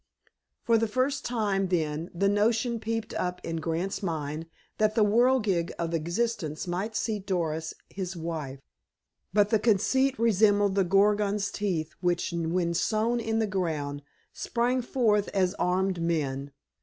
For the first time, then, the notion peeped up in Grant's mind that the whirligig of existence might see Doris his wife. But the conceit resembled the Gorgon's teeth, which, when sown in the ground, sprang forth as armed men.